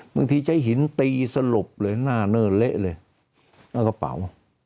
บางทีใช้หินตีสลบเลยหน้าเนิ่นเละเลยเอากระเป๋า